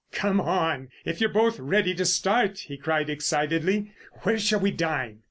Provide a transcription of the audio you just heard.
"Come on, if you're both ready to start!" he cried excitedly. "Where shall we dine?